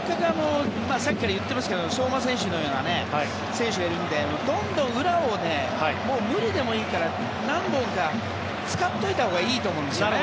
さっきから言っていますがせっかく相馬選手のような選手がいるのでどんどん裏を無理でもいいから何本か使っておいたほうがいいと思うんですよね。